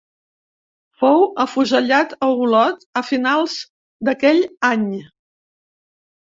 Fou afusellat a Olot a finals d'aquell any.